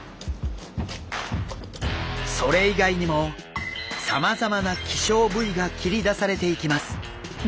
それ以外にもさまざまな希少部位が切り出されていきます。